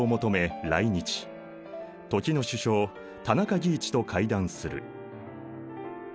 時の首相田中義一と会談する。